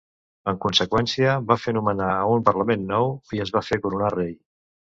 En conseqüència, va fer nomenar a un parlament nou, i es va fer coronar rei.